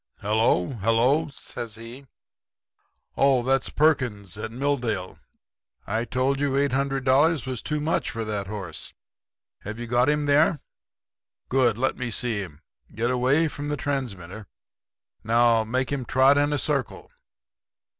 "'Hello, hello!' says he. 'Oh, that's Perkins, at Milldale. I told you $800 was too much for that horse. Have you got him there? Good. Let me see him. Get away from the transmitter. Now make him trot in a circle.